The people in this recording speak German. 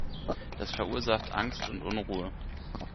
Das verursacht Angst und Unruhe.